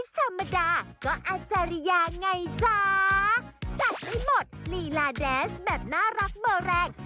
จัดให้หมดนีลาแดนส์แบบน่ารักเบอร์แรง